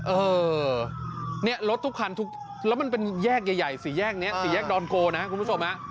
เออเนี่ยรถทุกคันทุกแล้วมันเป็นแยกใหญ่สี่แยกนี้สี่แยกดอนโกนะคุณผู้ชมฮะ